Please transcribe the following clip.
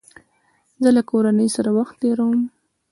زه له کورنۍ سره وخت تېرووم.